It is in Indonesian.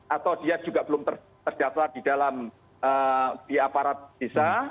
atau dia juga belum tergantung di dalam aparat desa